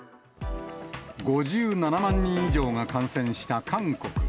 ５７万人以上が感染した韓国。